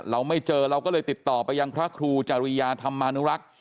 เราไม่เจอเราก็เลยติดต่อไปยังพระครูจริยาธรรมานุรักษ์